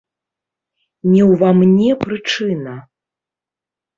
Не ўва мне прычына.